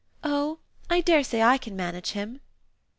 "Oh I dare say I can manage him!"